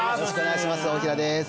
大平です